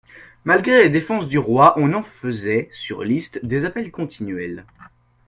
Malgré les défenses du roi, on en faisait, sur listes, des appels continuels.